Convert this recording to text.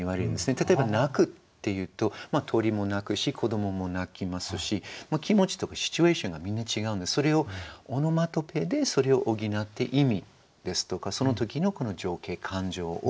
例えば「なく」っていうと鳥も鳴くし子どもも泣きますし気持ちとかシチュエーションがみんな違うんでオノマトペでそれを補って意味ですとかその時の情景感情を表すことが多いですね。